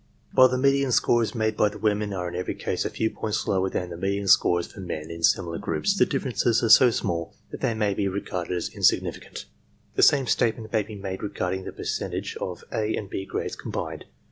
While the median scores made by the women are in every case a few points lower than the median scores for the men in similar groups, the differences arc so small that they may be regarded as insignificant. The same statement may be made regarding the percentage of A and B grades combined.